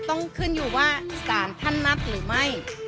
ต้องขึ้นอยู่ว่าสารท่านนับหรือไม่